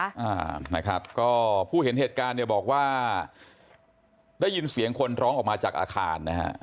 อ่านะครับก็ผู้เห็นเหตุการณ์เนี่ยบอกว่าได้ยินเสียงคนร้องออกมาจากอาคารนะฮะ